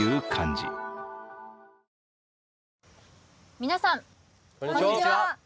皆さん、こんにちは。